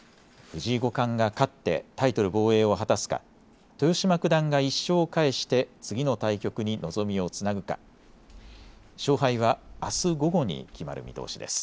藤井五冠が勝ってタイトル防衛を果たすか豊島九段が１勝を返して次の対局に望みをつなぐか勝敗はあす午後に決まる見通しです。